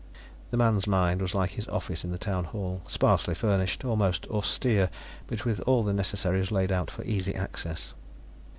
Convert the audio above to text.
The man's mind was like his office in the Town Hall: sparsely furnished, almost austere, but with all the necessaries laid out for easy access.